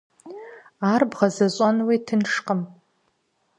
Ар бгъэзэщӏэнуи тыншкъым.